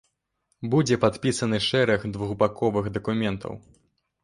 Будзе падпісаны шэраг двухбаковых дакументаў.